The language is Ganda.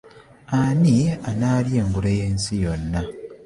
Ani anaalya engule y'ensi yonna.